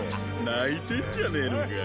・泣いてんじゃねェのか？